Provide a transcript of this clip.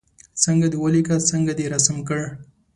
څنګه دې ولیکه څنګه دې رسم کړ.